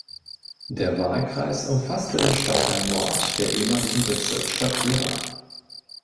Der Wahlkreis umfasste den Stadtteil Nord der ehemaligen Bezirksstadt Gera.